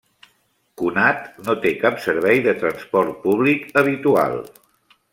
Conat no té cap servei de transport públic habitual.